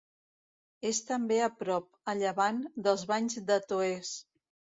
És també a prop, a llevant, dels Banys de Toès.